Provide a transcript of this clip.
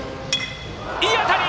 いい当たり！